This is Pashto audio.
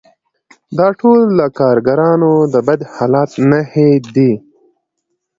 دا ټول د کارګرانو د بد حالت نښې دي